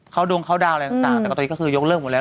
คราวดวงคราวดาวอะไรต่างตอนนี้ก็คือยกเริ่มหมดแล้ว